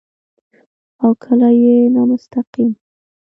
او کله يې نامستقيم